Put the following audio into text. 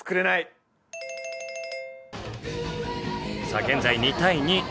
さあ現在２対２。